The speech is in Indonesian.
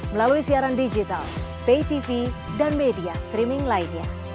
melalui siaran digital pay tv dan media streaming lainnya